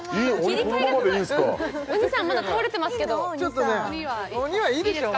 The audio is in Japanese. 鬼さんまだ倒れてますけどちょっとね鬼はいいでしょう